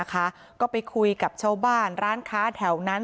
ก็ไปคุยกับชาวบ้านร้านค้าแถวนั้น